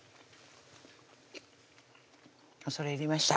恐れ入りました